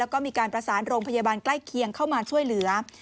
แล้วก็มีการประสานโรงพยาบาลใกล้เคียงเข้ามาช่วยเหลือ